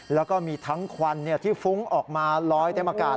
แล้วก็มีทั้งควันที่ฟุ้งออกมาลอยเต็มอากาศ